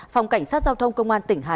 phòng cảnh sát giao thông